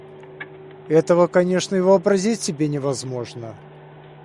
Этого, конечно, и вообразить себе невозможно.